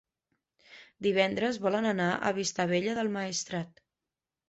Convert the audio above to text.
Divendres volen anar a Vistabella del Maestrat.